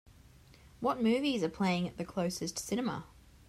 What movies are playing at the closest cinema